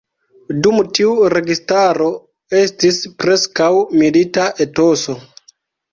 Dum tiu registaro estis preskaŭ milita etoso.